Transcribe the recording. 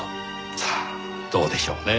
さあどうでしょうねぇ。